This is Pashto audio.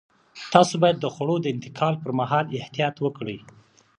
تاسو باید د خوړو د انتقال پر مهال احتیاط وکړئ.